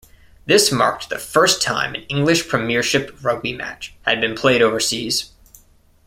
This marked the first time an English premiership rugby match had been played overseas.